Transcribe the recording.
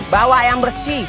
bawa yang bersih